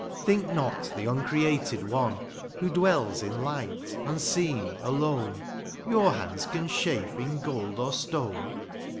^^ Think not the imcreated One " Who dwells in light, unseen, alone, ^' Your hands can shape in gold or stone